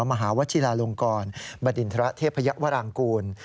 มหาวชิลาลงกรบดินทรเทพยวรางกูล